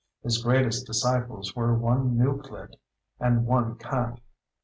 His greatest disciples were one Neuclid, and one Cant.